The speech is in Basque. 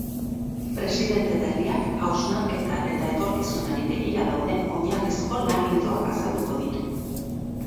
Presidente berriak hausnarketa eta etorkizunari begira dauden oinarrizko lan ildoak azalduko ditu.